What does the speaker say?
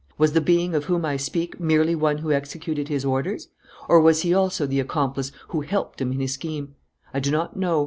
Was the being of whom I speak merely one who executed his orders? Or was he also the accomplice who helped him in his scheme? I do not know.